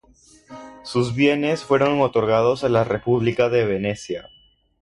Sus bienes fueron otorgados a la república de Venecia.